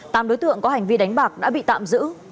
tám đối tượng có hành vi đánh bạc đã bị tạm giữ